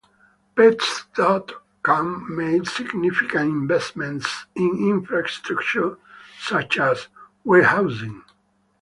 Pets dot com made significant investments in infrastructure such as warehousing.